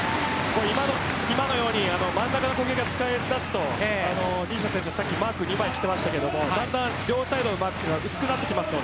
今のように真ん中の攻撃が使えだすと西田選手、先ほどマーク２枚きてましたけど両サイドのマークが薄くなってきます。